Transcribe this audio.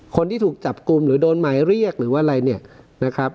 คนที่ถูกจับกลุ่มหรือโดนหมายเรียกหรือว่าอะไรเนี่ยนะครับ